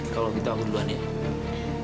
kalau kita berdua nih